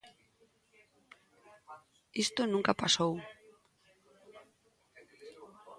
Isto nunca pasou.